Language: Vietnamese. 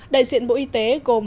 đại diện bộ y tế gồm